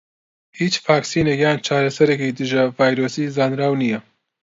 هیچ ڤاکسینێک یان چارەسەرێکی دژە ڤایرۆسی زانراو نیە.